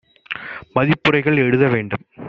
மதிப்புரைகள் எழுத வேண்டும்